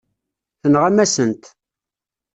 Tenɣam-asen-t.